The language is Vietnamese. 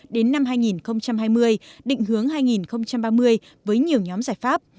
đến năm hai nghìn hai mươi định hướng hai nghìn ba mươi với nhiều nhóm giải pháp